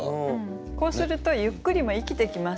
こうすると「ゆっくり」も生きてきますよね。